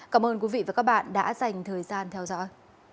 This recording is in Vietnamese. cảm ơn quý vị và các bạn đã dành thời gian theo dõi